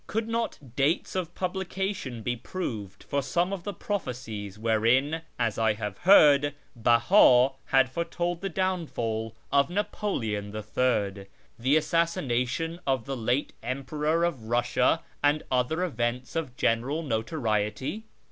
" Could not dates of publication be proved for some of the prophecies wherein, as I had heard, Beha had foretold the downfall of Napoleon the Third, the assassination of the late Emperor of Eussia, and other events of general notoriety